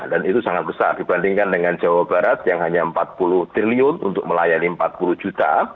dan itu sangat besar dibandingkan dengan jawa barat yang hanya rp empat puluh triliun untuk melayani rp empat puluh juta